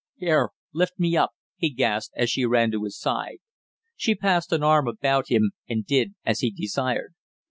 "Here lift me up " he gasped, as she ran to his side. She passed an arm about him and did as he desired.